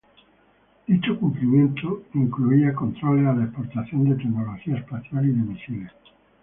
Dicho cumplimiento incluía controles a la exportación de tecnología espacial y de misiles.